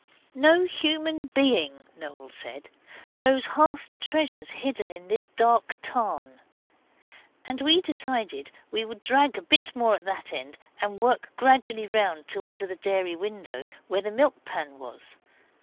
'No human being,' Noel said, 'knows half the treasures hidden in this dark tarn.' And we decided we would drag a bit more at that end, and work gradually round to under the dairy window where the milk pan was.